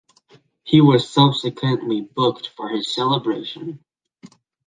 He was subsequently booked for his celebration.